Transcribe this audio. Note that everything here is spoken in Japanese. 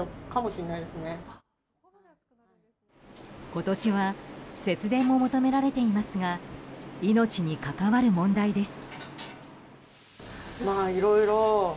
今年は節電も求められていますが命に関わる問題です。